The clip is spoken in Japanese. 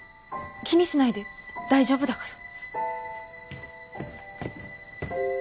気にしないで大丈夫だから。